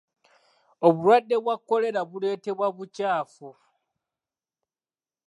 Obulwadde bwa Kolera buleetebwa bukyafu.